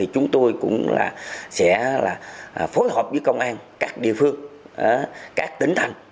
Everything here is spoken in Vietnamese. chúng tôi cũng sẽ phối hợp với công an các địa phương các tỉnh thành